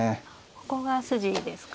ここが筋ですか。